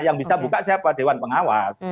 yang bisa buka siapa dewan pengawas